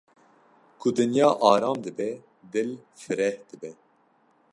ku dinya aram dibe dil fireh dibe.